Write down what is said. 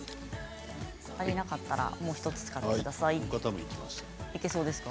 足りなかったらもう１つ使ってください。